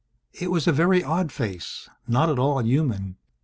It was a very odd face not at all human.